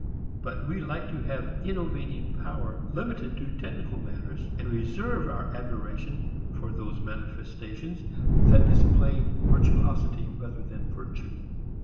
But we like to have innovating power limited to technical matters and reserve our admiration for those manifestations that display virtuosity rather than virtue.